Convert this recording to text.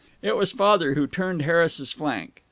It was Father who turned Harris's flank.